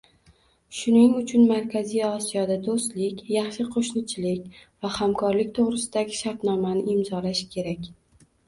Shuning uchun Markaziy Osiyoda doʻstlik, yaxshi qoʻshnichilik va hamkorlik toʻgʻrisidagi shartnomani imzolash kerak.